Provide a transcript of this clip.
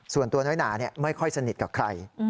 ส่วนตัวน้อยหนาไม่ค่อยสนิทกับใคร